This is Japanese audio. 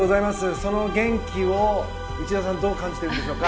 その元気を内田さんどう感じているでしょうか。